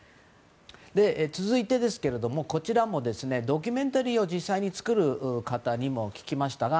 続いてですけれどもこちらもドキュメンタリーを実際に作る方にも聞きました。